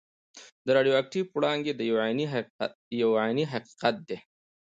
د راډیو اکټیف وړانګې یو عیني حقیقت دی.